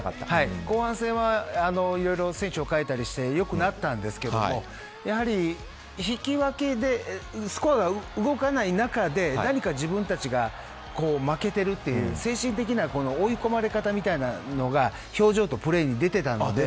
後半戦はいろいろ選手を代えたりして良くなったんですけどやはり引き分けでスコアが動かない中で何か自分たちが負けてるっていう精神的な追い込まれ方みたいなのが表情とプレーに出ていたので。